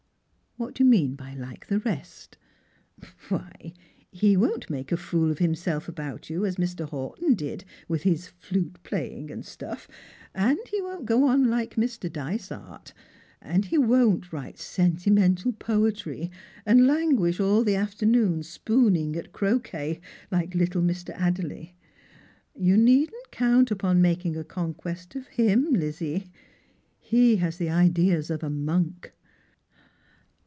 " What do you mean by like the rest ?"" Why, he won't make a fool of himself about you, as Mr. Horton did, with his flute playing and stuff; and he won't go on like Mr. Dysart; and he won't write sentimental poetry, and languish about all the afternoon spooning at croquet, like little Mr. Adderley. You needn't count upon making a conquest of Mm, Lizzie. He has the ideas of a monk."